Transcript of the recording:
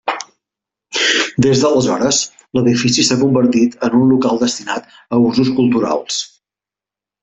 Des d'aleshores l'edifici s'ha convertit en un local destinat a usos culturals.